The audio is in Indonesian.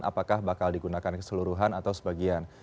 apakah bakal digunakan keseluruhan atau sebagian